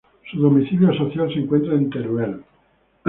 Su domicilio social se encuentra en Teruel.